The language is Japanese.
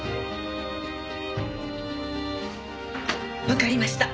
わかりました。